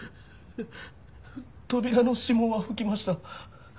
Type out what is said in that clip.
扉の指紋は拭きました。